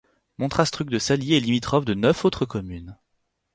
Montastruc-de-Salies est limitrophe de neuf autres communes.